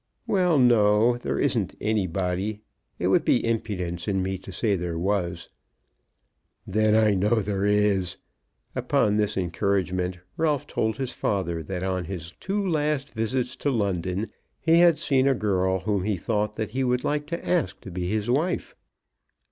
"Well; no; there isn't anybody. It would be impudence in me to say there was." "Then I know there is." Upon this encouragement Ralph told his father that on his two last visits to London he had seen a girl whom he thought that he would like to ask to be his wife.